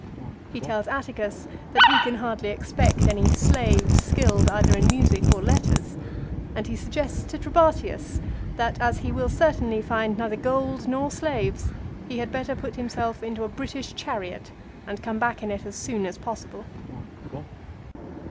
He tells Atticus that he can hardly expect any slaves skilled either in music or letters, 1 and he suggests to Trebatius that as he will certainly find neither gold nor slaves, he had better put himself into a British chariot and come back in it as soon as possible.